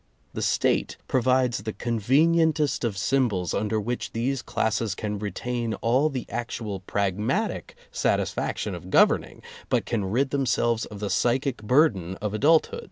The State provides the convenientest of symbols under which these classes can retain all the actual pragmatic satisfaction of governing, but can rid themselves of the psychic burden of adult hood.